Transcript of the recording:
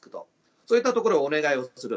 そういったところお願いする。